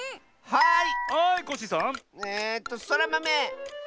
はい！